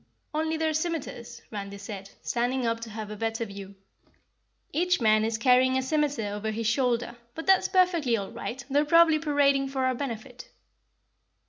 "Only their scimiters," Randy said, standing up to have a better view. "Each man is carrying a scimiter over his shoulder, but that's perfectly all right, they're probably parading for our benefit."